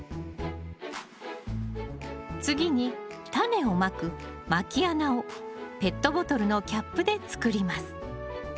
次にタネをまくまき穴をペットボトルのキャップで作ります。